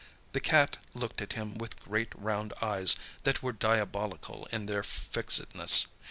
The cat looked at him with great round eyes that were diabolical in their fixedness.